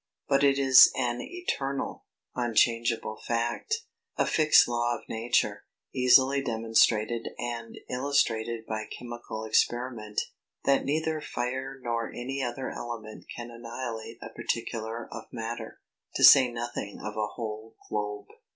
But it is an eternal, unchangeable fact, a fixed law of nature, easily demonstrated and illustrated by chemical experiment, that neither fire nor any other element can annihilate a particle of matter, to say nothing of a whole globe.